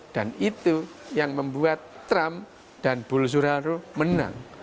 dan itu yang membuat trump dan bulu suraro menang